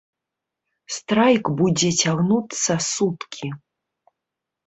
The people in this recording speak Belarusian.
Страйк будзе цягнуцца суткі.